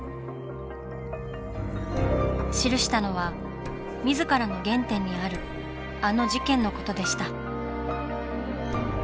記したのは自らの原点にあるあの事件のことでした。